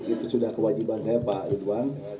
itu sudah kewajiban saya pak ridwan